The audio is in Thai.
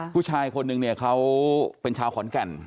ผู้ชายคนนึงเนี่ยเขาเป็นชาวขอนแก่น